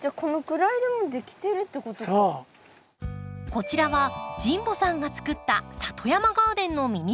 こちらは神保さんが作った里山ガーデンのミニチュア版。